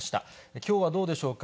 きょうはどうでしょうか。